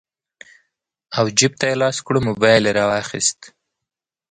او جېب ته يې لاس کړو موبايل يې رواخيست